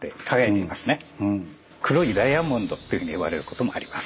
「黒いダイヤモンド」っていうふうにいわれることもあります。